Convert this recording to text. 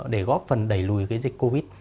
để góp phần đẩy lùi dịch covid